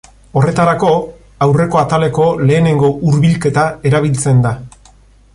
Horretarako, aurreko ataleko lehenengo hurbilketa erabiltzen da.